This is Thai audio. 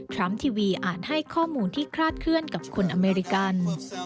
ทีวีอาจให้ข้อมูลที่คลาดเคลื่อนกับคนอเมริกัน